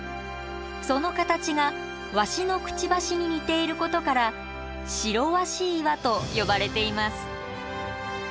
その形がワシのくちばしに似ていることから白鷲岩と呼ばれています。